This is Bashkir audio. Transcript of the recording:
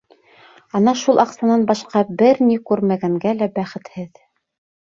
Ана шул аҡсанан башҡа бер ни күрмәгәнгә лә -бәхетһеҙ!